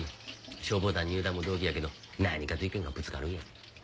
消防団入団も同期やけど何かと意見がぶつかるんやて。